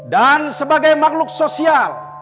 dan sebagai makhluk sosial